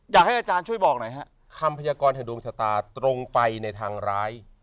อยากให้อาจารย์ช่วยบอกหน่อยฮะคำพยากรแห่งดวงชะตาตรงไปในทางร้าย